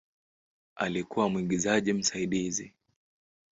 Alikuwa mwigizaji msaidizi.